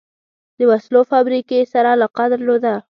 د وسلو فابریکې سره علاقه درلوده.